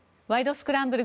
スクランブル」